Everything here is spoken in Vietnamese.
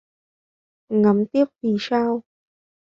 Ngắm tiếp vì sao